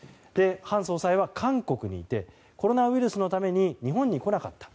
ハン総裁は韓国にいてコロナウイルスのために日本に来なかった。